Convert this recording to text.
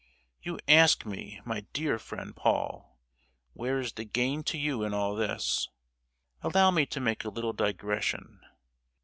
You ask me, my dear friend Paul, where is the gain to you in all this. Allow me to make a little digression.